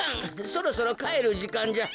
そろそろかえるじかんじゃ。